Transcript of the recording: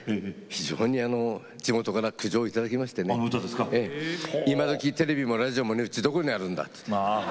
非常に地元から苦情を頂きましてね「今どきテレビもラジオも無えうちどこにあるんだ」っつって。